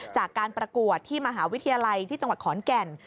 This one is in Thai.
จากการประกวดที่มหาวิทยาลัยที่จังหวัดขอนแก่น